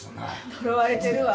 呪われてるわ